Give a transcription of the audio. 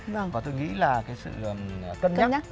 và tôi nghĩ là cái sự cân nhắc